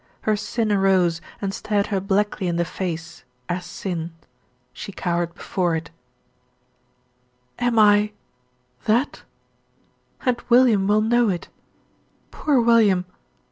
Her sin arose and stared her blackly in the face AS SIN. She cowered before it. "Am I THAT? And William will know it. Poor William!"